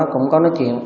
cũng có nói chuyện